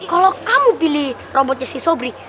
kalau kamu pilih robotnya si sobri